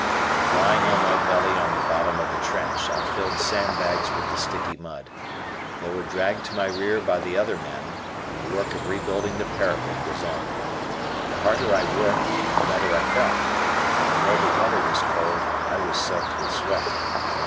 Lying on my belly on the bottom of the trench, I filled sandbags with the sticky mud. They were dragged to my rear by the other men, and the work of rebuilding the parapet was on. The harder I worked, the better I felt. Although the weather was cold, I was soaked with sweat.